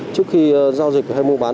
trước khi giao dịch hay mua bán